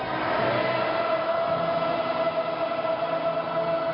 โปรดติดตามตอนต่อไป